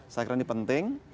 saya kira ini penting